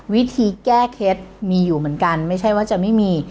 วิธีแก้เคล็ดมีอยู่เหมือนกันไม่ใช่ว่าจะไม่มี